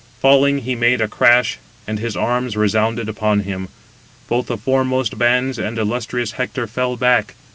Falling he made a crash, and his arms resounded upon him. Both the foremost bands and illustrious Hector fell back.